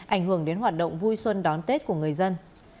ảnh hưởng đến hoạt động vui xuân đón tết của người dân